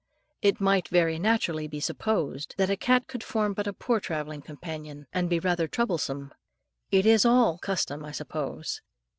It might very naturally be supposed, that a cat would form but a poor travelling companion, and be rather troublesome. It is all custom, I suppose.